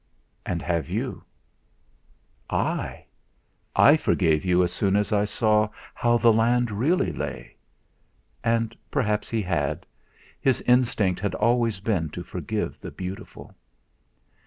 "And have you?" "I? I forgave you as soon as I saw how the land really lay." And perhaps he had; his instinct had always been to forgive the beautiful.